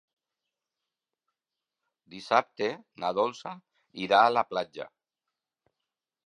Dissabte na Dolça irà a la platja.